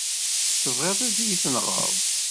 Tebɣiḍ ad yi-tenɣeḍ?